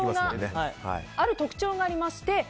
ある特徴がありまして○○